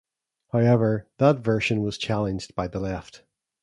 However, that version was challenged by the left.